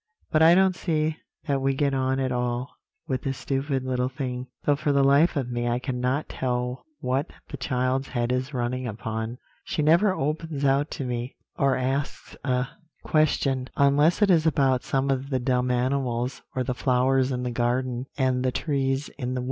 But I don't see that we get on at all with this stupid little thing; though for the life of me I cannot tell what the child's head is running upon. She never opens out to me, or asks a question, unless it is about some of the dumb animals, or the flowers in the garden, and the trees in the wood.'